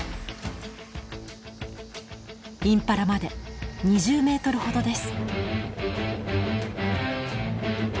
インパラまで２０メートルほどです。